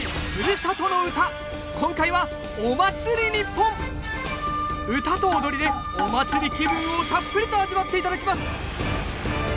唄と踊りでお祭り気分をたっぷりと味わって頂きます